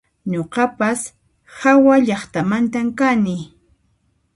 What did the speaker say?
Nuqapas hawallaqtamantan kani